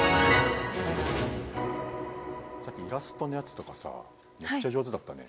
さっきイラストのやつとかさめっちゃ上手だったね。